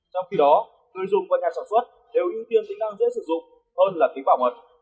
trong khi đó người dùng và nhà sản xuất đều ưu tiên tính năng dễ sử dụng hơn là tính bảo mật